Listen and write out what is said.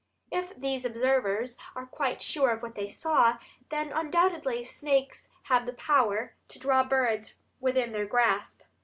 If these observers are quite sure of what they saw, then undoubtedly snakes have the power to draw birds within their grasp.